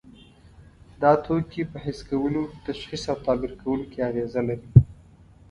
دا توکي په حس کولو، تشخیص او تعبیر کولو کې اغیزه لري.